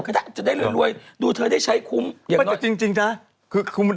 ก็จะได้เรื่อยดูเธอได้ใช้คุ้ม